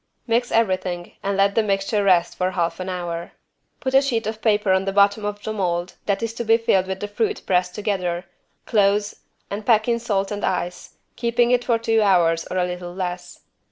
Mix everything and let the mixture rest for half an hour. Put a sheet of paper in the bottom of the mold that is to be filled with the fruit pressed together, close, and pack in salt and ice, keeping it for two hours or a little less.